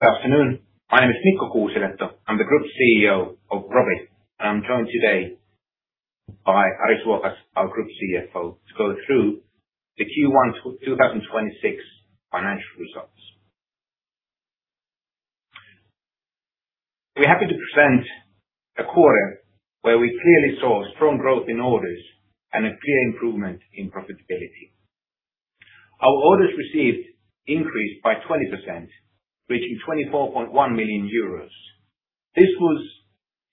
Good afternoon. I am Mikko Kuusilehto. I'm the Group CEO of Robit, and I'm joined today by Ari Suokas, our Group CFO, to go through the Q1 2026 financial results. We're happy to present a quarter where we clearly saw strong growth in orders and a clear improvement in profitability. Our orders received increased by 20%, reaching 24.1 million euros. This was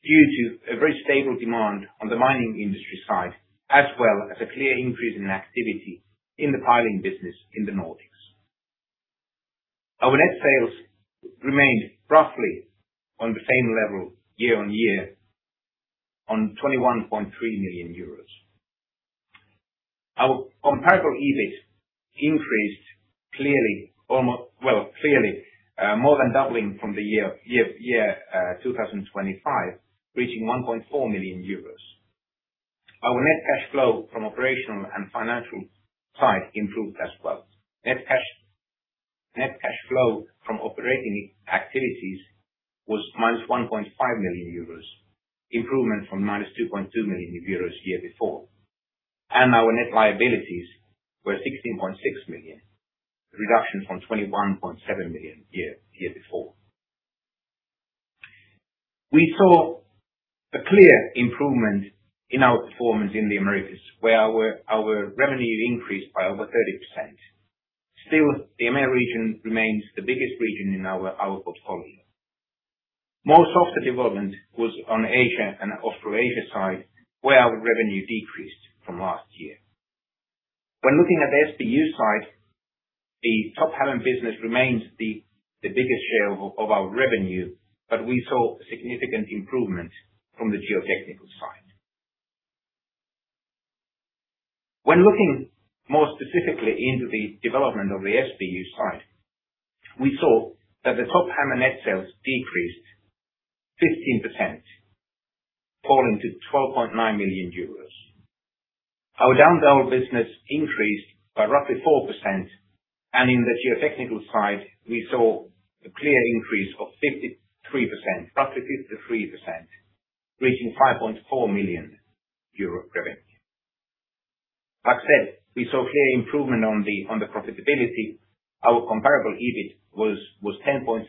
due to a very stable demand on the mining industry side, as well as a clear increase in activity in the piling business in the Nordics. Our net sales remained roughly on the same level year-on-year on 21.3 million euros. Our comparable EBIT increased clearly, more than doubling from the year 2025, reaching 1.4 million euros. Our net cash flow from operational and financial side improved as well. Net cash flow from operating activities was -1.5 million euros, improvement from -2.2 million euros the year before. Our net liabilities were 16.6 million, reduction from 21.7 million the year before. We saw a clear improvement in our performance in the Americas where our revenue increased by over 30%. Still, the EMEA region remains the biggest region in our portfolio. Most Softer development was on Asia and Australasia side, where our revenue decreased from last year. When looking at the SBU side, the Top Hammer business remains the biggest share of our revenue, but we saw significant improvement from the Geotechnical side. When looking most specifically into the development of the SBU side, we saw that the Top Hammer net sales decreased 15%, falling to 12.9 million euros. Our Down the Hole business increased by roughly 4%, and in the Geotechnical side, we saw a clear increase of 53%, roughly 53%, reaching EUR 5.4 million revenue. Like I said, we saw clear improvement on the profitability. Our comparable EBIT was 10.7%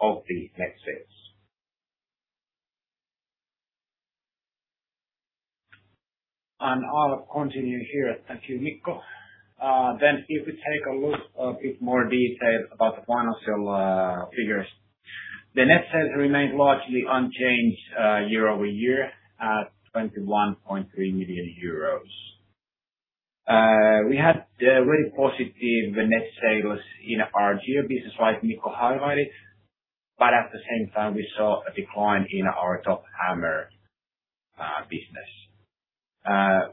of the net sales. I'll continue here. Thank you, Mikko. If we take a look in a bit more detail about the financial figures. The net sales remained largely unchanged year-over-year at 21.3 million euros. We had really positive net sales in our Geo business, like Mikko highlighted. But at the same time, we saw a decline in our Top Hammer business.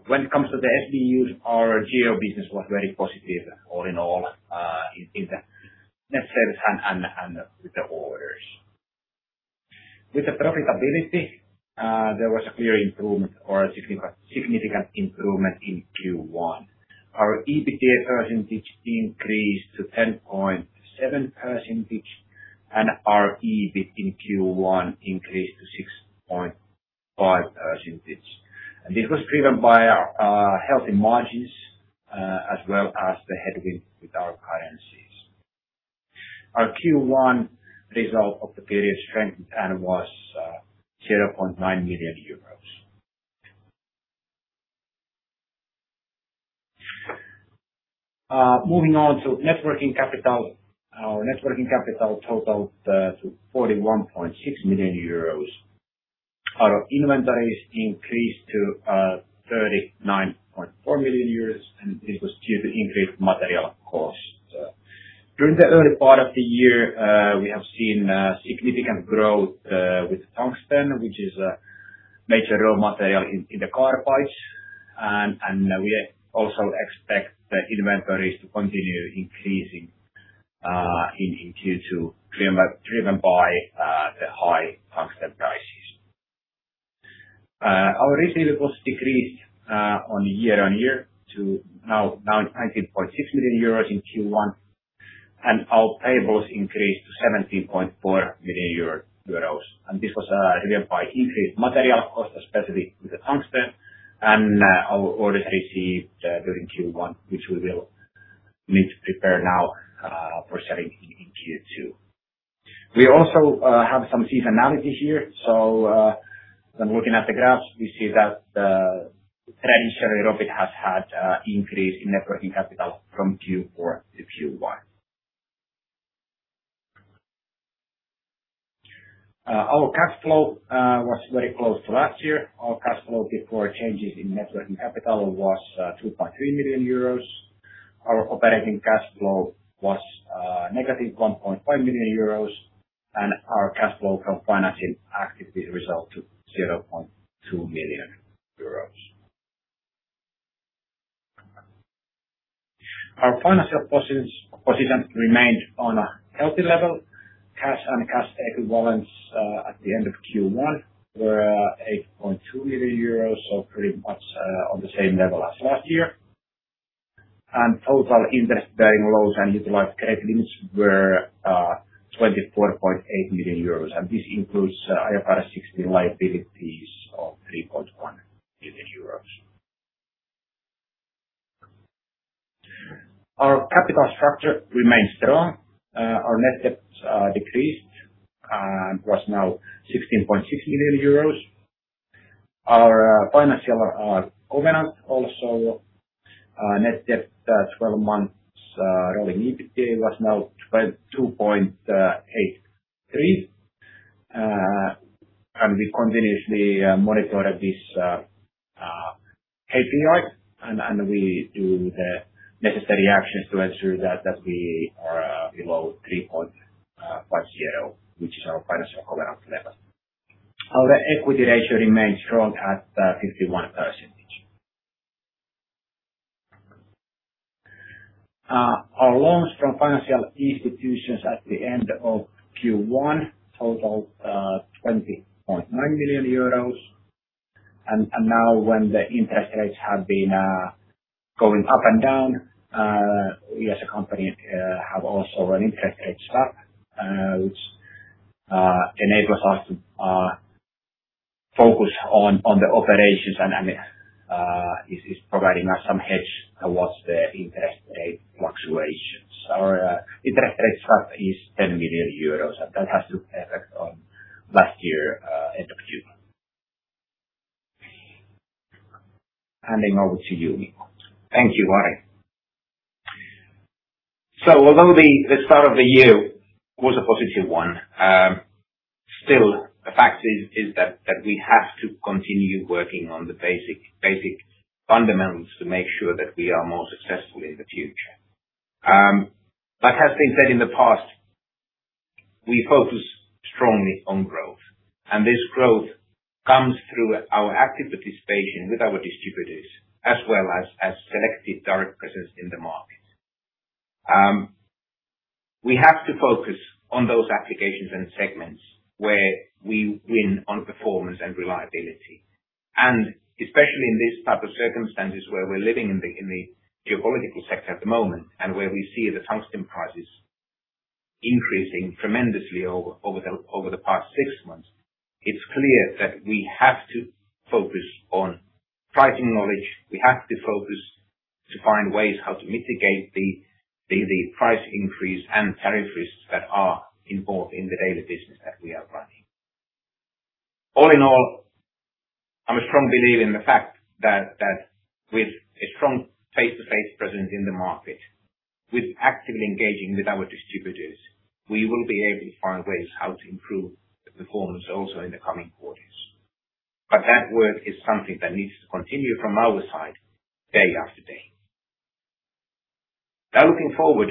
When it comes to the SBUs, our Geo business was very positive all in all, in the net sales and with the orders. With the profitability, there was a clear improvement or a significant improvement in Q1. Our EBITDA percentage increased to 10.7% and our EBIT in Q1 increased to 6.5%. This was driven by our healthy margins, as well as the tailwind with our currencies. Our Q1 result for the period strengthened and was EUR 0.9 million. Moving on to working capital. Our working capital totaled to 41.6 million euros. Our inventories increased to 39.4 million euros, and this was due to increased material costs. During the early part of the year, we have seen significant growth with tungsten, which is a major raw material in the carbides. We also expect the inventories to continue increasing in Q2, driven by the high tungsten prices. Our receivables decreased year-on-year to now 19.6 million euros in Q1, and our payables increased to 17.4 million euros. This was again due to increased material cost, specifically with the tungsten and our orders received during Q1, which we will need to prepare now for selling in Q2. We also have some seasonality here. When looking at the graphs, we see that traditionally Robit has had increase in net working capital from Q4 to Q1. Our cash flow was very close to last year. Our cash flow before changes in net working capital was 2.3 million euros. Our operating cash flow was negative 1.5 million euros and our cash flow from financing activities resulted in EUR 0.2 million. Our financial position remained on a healthy level. Cash and cash equivalents at the end of Q1 were 8.2 million euros, so pretty much on the same level as last year. Total interest-bearing loans and utilized credit limits were 24.8 million euros, and this includes IFRS 16 liabilities of 3.1 million euros. Our capital structure remains strong. Our net debt decreased and was now 16.6 million euros. Our financial covenant also net debt/12-month EBITDA was now 2.83. We continuously monitored this KPI, and we do the necessary actions to ensure that we are below 3.0, which is our financial covenant level. Our equity ratio remains strong at 51%. Our loans from financial institutions at the end of Q1 totaled 20.9 million euros. Now when the interest rates have been going up and down, we as a company have also an interest rate swap, which enables us to focus on the operations and is providing us some hedge towards the interest rate fluctuations. Our interest rate swap is 10 million euros, and that has no effect on last year end of June. Handing over to you, Mikko. Thank you, Ari. Although the start of the year was a positive one, still the fact is that we have to continue working on the basic fundamentals to make sure that we are more successful in the future. As has been said in the past, we focus strongly on growth. This growth comes through our active participation with our distributors as well as selective direct presence in the market. We have to focus on those applications and segments where we win on performance and reliability. Especially in this type of circumstances where we're living in the geopolitical sector at the moment, and where we see the tungsten prices increasing tremendously over the past six months. It's clear that we have to focus on pricing knowledge. We have to focus to find ways how to mitigate the price increase and tariff risks that are involved in the daily business that we are running. All in all, I'm a strong believer in the fact that with a strong face-to-face presence in the market with actively engaging with our distributors, we will be able to find ways how to improve the performance also in the coming quarters. That work is something that needs to continue from our side day after day. Now looking forward,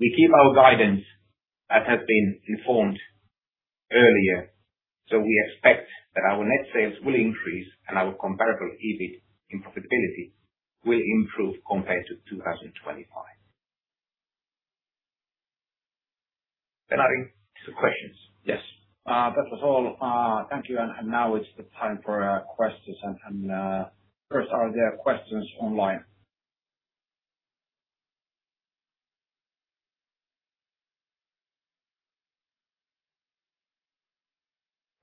we keep our guidance as has been informed earlier, so we expect that our net sales will increase and our comparable EBIT and profitability will improve compared to 2025. Adding to questions. Yes. That was all. Thank you. Now it's the time for questions. First are there questions online?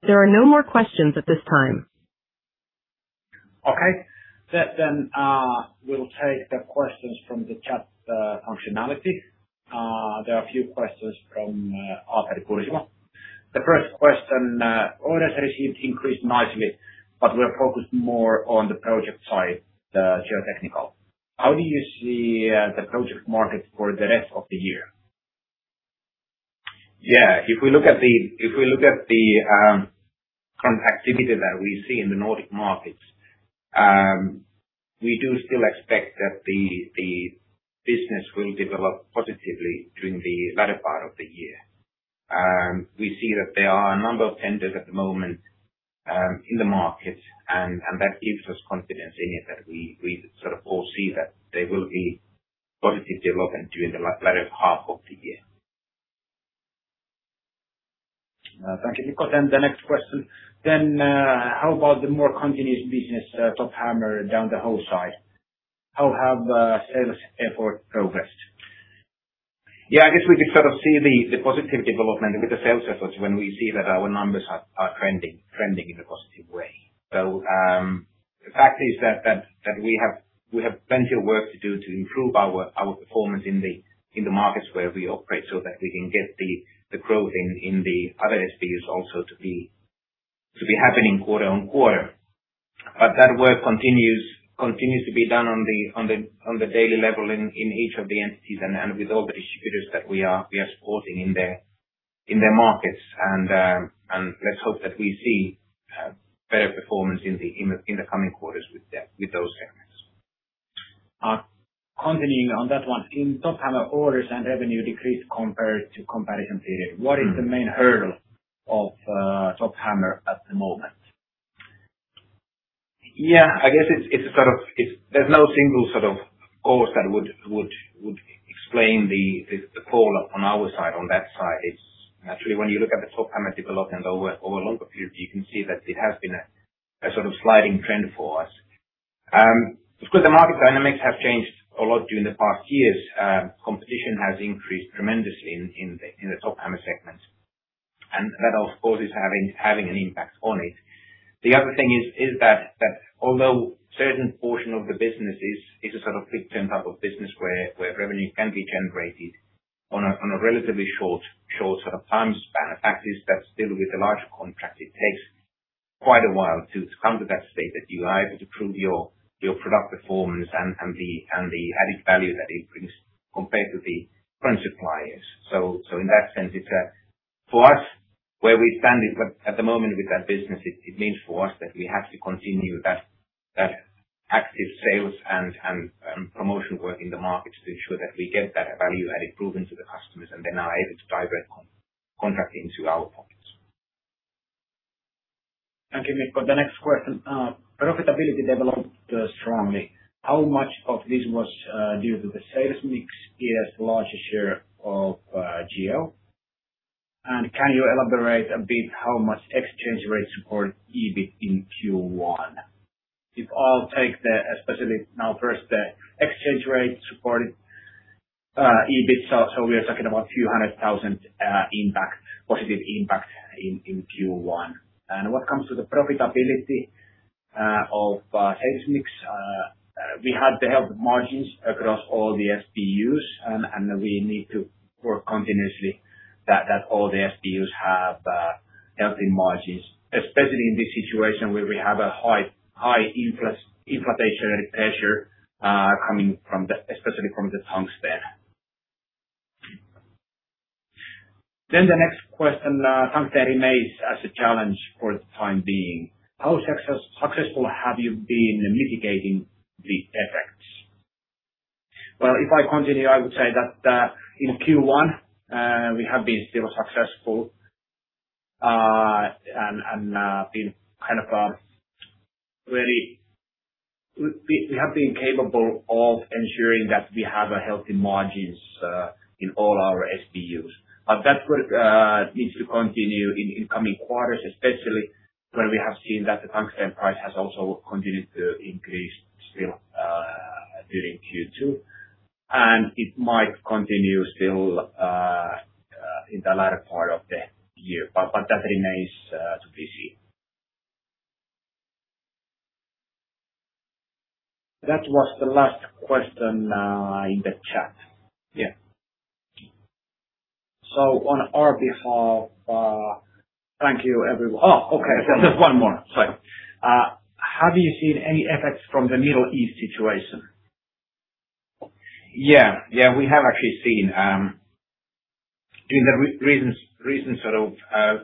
There are no more questions at this time. Okay. We'll take the questions from the chat functionality. There are a few questions from Arttu Keränen. The first question, orders received increased nicely, but we're focused more on the project side, the Geotechnical. How do you see the project market for the rest of the year? Yeah. If we look at the current activity that we see in the Nordic markets, we do still expect that the business will develop positively during the latter part of the year. We see that there are a number of tenders at the moment in the market, and that gives us confidence in it that we sort of foresee that there will be positive development during the latter half of the year. Thank you, Mikko. The next question. How about the more continuous business Top Hammer Down the Hole side? How have sales effort progressed? Yeah, I guess we could sort of see the positive development with the sales efforts when we see that our numbers are trending in a positive way. The fact is that we have plenty of work to do to improve our performance in the markets where we operate so that we can get the growth in the other SBUs also to be happening quarter-on-quarter. That work continues to be done on the daily level in each of the entities and with all the distributors that we are supporting in their markets. Let's hope that we see better performance in the coming quarters with those elements. Continuing on that one. In Top Hammer orders and revenue decreased compared to comparison period. What is the main hurdle of Top Hammer at the moment? Yeah, I guess there's no single sort of cause that would explain the call up on our side, on that side, it's actually when you look at the Top Hammer development over a longer period, you can see that it has been a sort of sliding trend for us. Of course, the market dynamics have changed a lot during the past years. Competition has increased tremendously in the Top Hammer segment. That, of course, is having an impact on it. The other thing is that although certain portion of the business is a sort of quick turn type of business where revenue can be generated on a relatively short sort of time span. The fact is that still with the large contract, it takes quite a while to come to that state that you are able to prove your product performance and the added value that it brings compared to the current suppliers. In that sense, for us, where we stand at the moment with that business, it means for us that we have to continue that active sales and promotion work in the markets to ensure that we get that value added proven to the customers, and they are now able to divert contract into our pockets. Thank you, Mikko. The next question. Profitability developed strongly. How much of this was due to the sales mix, i.e. larger share of Geo? Can you elaborate a bit how much exchange rate support EBIT in Q1? If I'll take the specific now, first, the exchange rate supported EBIT, so we are talking about few hundred thousand impact, positive impact in Q1. What comes to the profitability of sales mix, we had the healthy margins across all the SBUs, and we need to work continuously that all the SBUs have healthy margins, especially in this situation where we have a high inflationary pressure coming especially from the Tungsten. The next question. Tungsten remains as a challenge for the time being. How successful have you been in mitigating the effects? Well, if I continue, I would say that in Q1, we have been still successful and we have been capable of ensuring that we have healthy margins in all our SBUs. That work needs to continue in coming quarters, especially where we have seen that the Tungsten price has also continued to increase still during Q2. It might continue still in the latter part of the year. That remains to be seen. That was the last question in the chat. Yeah. Oh, okay. There's one more. Sorry. Have you seen any effects from the Middle East situation? Yeah, we have actually seen in the recent sort of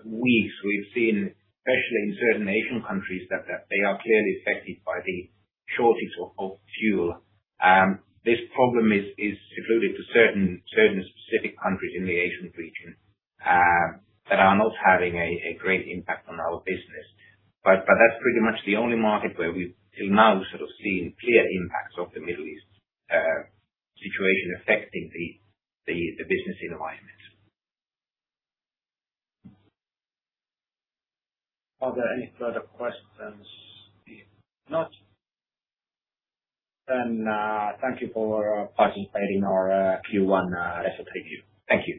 weeks, especially in certain Asian countries, that they are clearly affected by the shortage of fuel. This problem is secluded to certain specific countries in the Asian region, that are not having a great impact on our business. That's pretty much the only market where we've till now sort of seen clear impacts of the Middle East situation affecting the business environment. Are there any further questions? If not, then thank you for participating in our Q1 results review. Thank you.